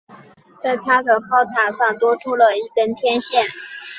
在它的炮塔上多出了一根天线。